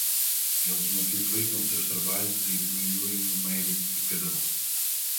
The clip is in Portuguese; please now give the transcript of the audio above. Eles multiplicam seus trabalhos e diminuem o mérito de cada um.